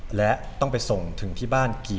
ก็คือทำไมผมถึงไปยื่นคำร้องต่อสารเนี่ย